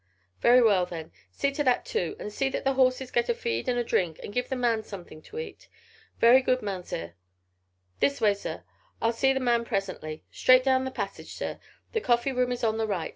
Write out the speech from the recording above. "Very well then, see to that too: and see that the horses get a feed and a drink and give the man something to eat." "Very good, Mounzeer. This way, zir. I'll see the man presently. Straight down the passage, zir. The coffee room is on the right.